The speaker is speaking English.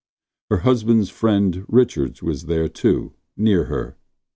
Her husband's friend Richards was there, too, near her.